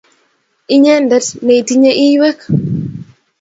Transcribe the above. Inyendet ne itinye iywek